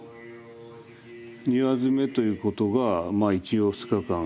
庭詰ということがまあ一応２日間。